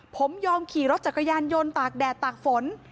ผมยอมขี่รถจักรยานยนต์ตากแดดตากฝน